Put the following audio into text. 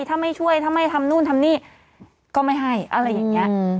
ถ้าไม่ช่วยถ้าไม่ทำนู่นทำนี่ก็ไม่ให้อะไรอย่างนี้